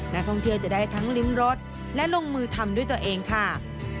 นักท่องเที่ยวจะได้ทั้งลิ้มรสและลงมือทำด้วยตัวเองค่ะ